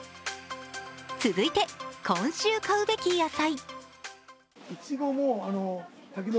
続いて、今週買うべき野菜。